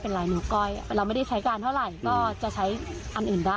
ลายนิ้วก้อยเราไม่ได้ใช้การเท่าไหร่ก็จะใช้อันอื่นได้